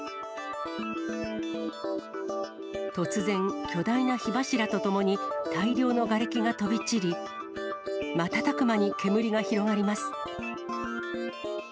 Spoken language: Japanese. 突然、巨大な火柱とともに、大量のがれきが飛び散り、瞬く間に煙が広がります。